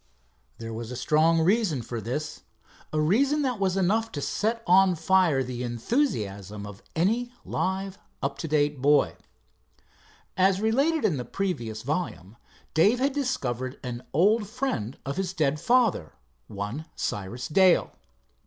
There was a strong reason for this—a reason that was enough to set on fire the enthusiasm of any live, up to date boy. As related in the preceding volume, Dave had discovered an old friend of his dead father, one Cyrus Dale.